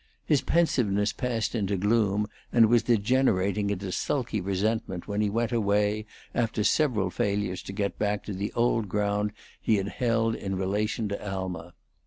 His pensiveness passed into gloom, and was degenerating into sulky resentment when he went away, after several failures to get back to the old ground he had held in relation to Alma.